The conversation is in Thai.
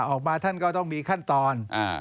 ออกมาท่านก็ต้องมีขั้นตอน